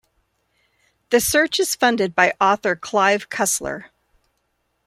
The search is funded by author Clive Cussler.